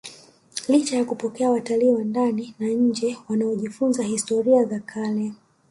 licha ya kupokea watalii wa ndani na nje wanaojifunza historia za kale